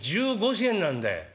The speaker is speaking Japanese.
１５銭なんだよ」。